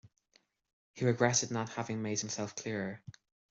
He regretted not having made himself clearer.